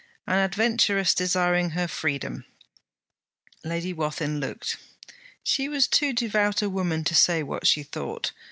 An adventuress desiring her freedom! Lady Wathin looked. She was too devout a woman to say what she thought.